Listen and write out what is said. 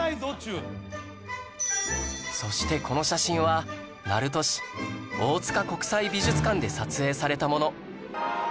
そしてこの写真は鳴門市大塚国際美術館で撮影されたもの